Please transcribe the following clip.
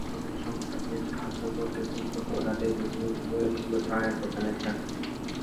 অভাবের সংসারকে সাহায্য করতে খুব ছোটবেলাতেই বেছে নিতে হয়েছিল চায়ের দোকানের চাকরি।